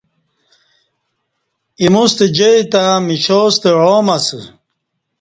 ایمو ستہ جائی تہ مشا ستہ عام اسہ